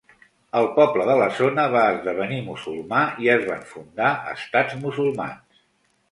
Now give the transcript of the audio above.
El poble de la zona va esdevenir musulmà i es van fundar estats musulmans.